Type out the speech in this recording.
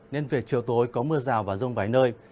nên về chiều tối có mưa rào và rông vài nơi